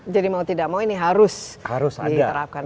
jadi mau tidak mau ini harus diterapkan